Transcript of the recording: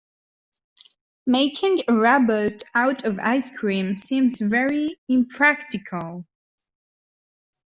Making a robot out of ice cream seems very impractical.